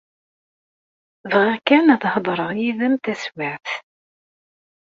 Bɣiɣ kan ad hedreɣ yid-m taswiɛt.